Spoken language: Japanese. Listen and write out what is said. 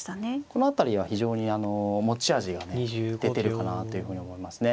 この辺りは非常に持ち味がね出てるかなというふうに思いますね。